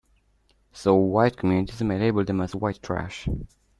So, white communities may label them as white trash.